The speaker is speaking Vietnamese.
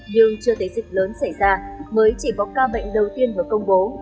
nhưng chưa tới dịch lớn xảy ra mới chỉ có ca bệnh đầu tiên vừa công bố